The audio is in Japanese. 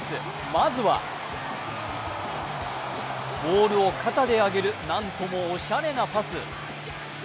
まずはボールを肩で上げるなんともおしゃれなパス。